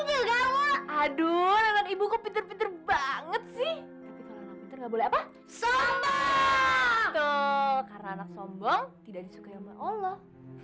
ibu ibu peter peter banget sih nggak boleh apa karena sombong tidak disukai oleh allah